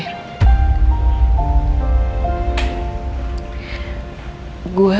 aku sudah belom selesai